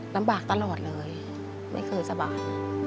ลำบากตลอดเลยไม่เคยสบาย